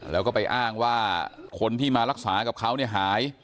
แล้วก็ไปอ้างว่าคนที่มารักษากับเขาเนี่ยหาย